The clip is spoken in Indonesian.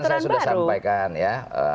tadi saya sudah sampaikan ya